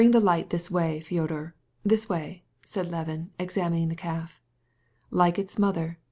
"Here, bring the light, Fyodor, this way," said Levin, examining the calf. "Like the mother!